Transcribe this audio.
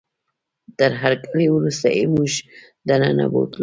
تر هرکلي وروسته یې موږ دننه بوتلو.